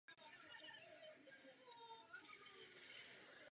Chce medvěda najít a zabít.